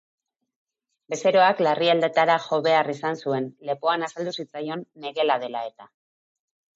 Bezeroak larrialdietara jo behar izan zuen, lepoan azaldu zitzaion negela dela eta.